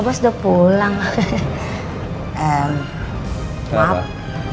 jadi ini adalah pertanyaan yang harus dikira